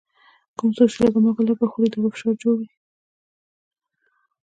کوم څوک چي لږ مالګه خوري، د هغه فشار جوړ وي.